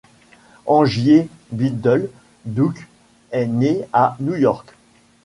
Angier Biddle Duke est né à New York.